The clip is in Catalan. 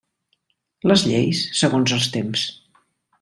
Les lleis, segons els temps.